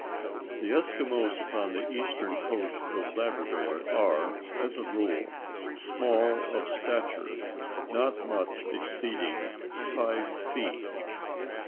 The Eskimos upon the eastern coast of Labrador are, as a rule, small of stature, not much exceeding five feet.